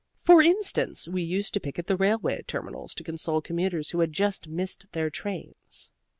For instance, we used to picket the railway terminals to console commuters who had just missed their trains.